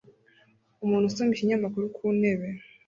Umuntu usoma ikinyamakuru ku ntebe